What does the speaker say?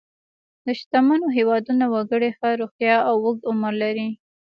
د شتمنو هېوادونو وګړي ښه روغتیا او اوږد عمر لري.